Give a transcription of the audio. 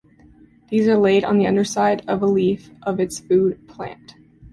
These are laid on the underside of a leaf of its food plant.